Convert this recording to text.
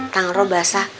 tangan lu basah